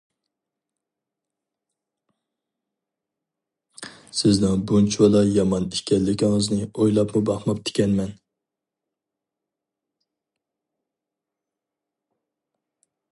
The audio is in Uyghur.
سىزنىڭ بۇنچىۋالا يامان ئىكەنلىكىڭىزنى ئويلاپمۇ باقماپتىمەن.